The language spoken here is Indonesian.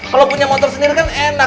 kalau punya motor sendiri kan enak